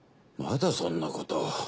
まだそんなことを。